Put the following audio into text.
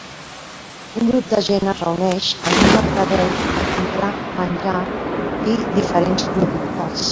Un grup de gent es reuneix en un mercadet per comprar menjar i diferents productes.